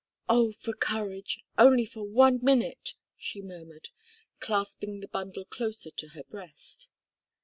"Oh! for courage only for one minute!" she murmured, clasping the bundle closer to her breast.